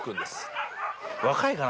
若いかな？